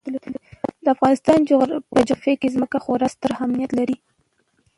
د افغانستان په جغرافیه کې ځمکه خورا ستر اهمیت لري.